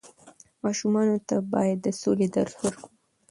ماشومانو ته بايد د سولې درس ورکړو.